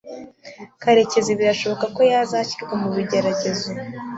Karekezi birashoboka ko azashyirwa mubigeragezo.